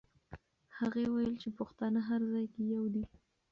هغې وویل چې پښتانه هر ځای کې یو دي.